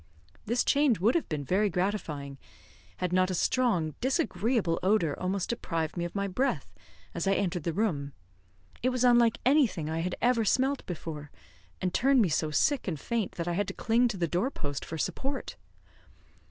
This change would have been very gratifying, had not a strong, disagreeable odour almost deprived me of my breath as I entered the room. It was unlike anything I had ever smelt before, and turned me so sick and faint that I had to cling to the door post for support.